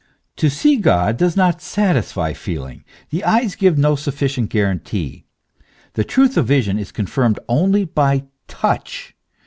To see God does not satisfy feeling ; the eyes give no sufficient guarantee. The truth of vision is confirmed only by touch.